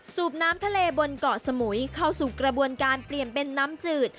สูบน้ำทะเลบนเกาะสมุยเข้าสู่กระบวนการเปลี่ยนเป็นน้ำจืด